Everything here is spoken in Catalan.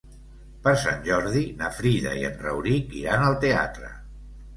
Per Sant Jordi na Frida i en Rauric iran al teatre.